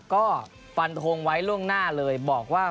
ก็ฟันทงไว้ล่วงหน้าเลยบอกว่า